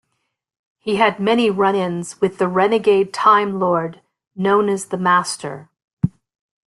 He had many run-ins with the renegade Time Lord known as the Master.